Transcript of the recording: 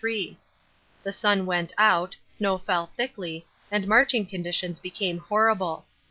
The sun went out, snow fell thickly, and marching conditions became horrible.